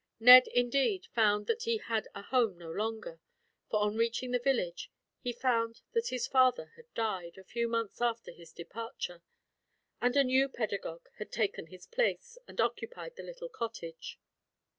Ned, indeed, found that he had a home no longer; for on reaching the village he found that his father had died, a few months after his departure; and a new pedagogue had taken his place, and occupied the little cottage.